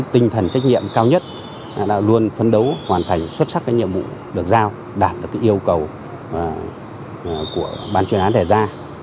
đã luôn phấn đấu hoàn thành xuất sắc nhiệm vụ được giao đạt được yêu cầu của ban chuyên án đề ra